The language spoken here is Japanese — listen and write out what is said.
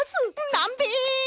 なんで！？